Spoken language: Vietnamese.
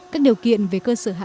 các điều kiện về cơ sở hạng